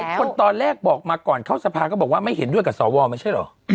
แต่หลายคนตอนแรกบอกมาก่อนเข้าสะพานก็บอกว่าไม่เห็นด้วยกับสอวอมันใช่หรอ